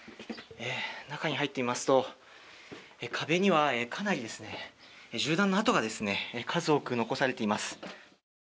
中に入ってみますと壁にはかなり銃弾の跡が数多く残されています。